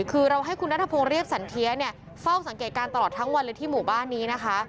คือเราให้คุณนัทพงศ์เรียบสันเทียเนี่ยเฝ้าสังเกตการณ์ตลอดทั้งวันเลยที่หมู่บ้านนี้นะคะ